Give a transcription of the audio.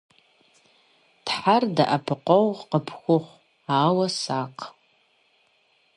Тхьэр дэӀэпыкъуэгъу къыпхухъу. Ауэ сакъ.